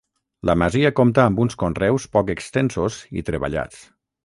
La masia compta amb uns conreus poc extensos i treballats.